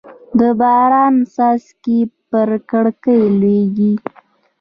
د باران څاڅکي پر کړکۍ لګېږي.